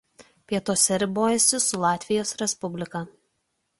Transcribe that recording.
Pietuose ribojasi su Latvijos Respublika.